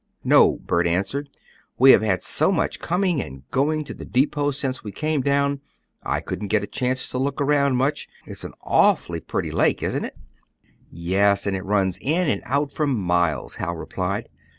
"No," Bert answered, "we have had so much coming and going to the depot since we came down, I couldn't get a chance to look around much. It's an awfully pretty lake, isn't it?" "Yes, and it runs in and out for miles," Hal replied.